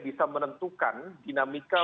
bisa menentukan dinamika